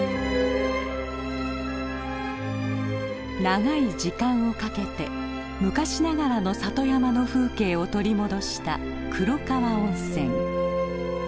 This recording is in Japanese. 長い時間をかけて昔ながらの里山の風景を取り戻した黒川温泉。